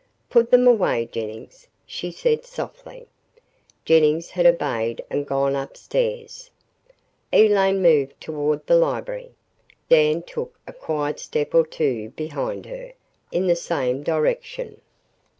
"Put them away, Jennings," she said softly. Jennings had obeyed and gone upstairs. Elaine moved toward the library. Dan took a quiet step or two behind her, in the same direction.